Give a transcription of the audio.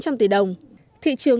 thị trường khách quốc tế